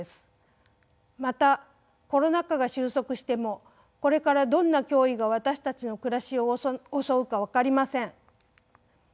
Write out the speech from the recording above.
またコロナ禍が収束してもこれからどんな脅威が私たちの暮らしを襲うか分かりません。